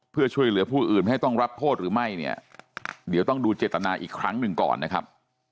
เพื่อช่วยเหลือผู้อื่นไม่ให้ต้องรับโทษหรือไม่เนี่ยเดี๋ยวต้องดูเจตนาอีกครั้งหนึ่งก่อนนะครับ